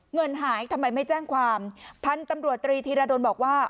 เงินหายทำไมไม่แจ้งความพันธุ์ตำรวจตรีธีรดลบอกว่า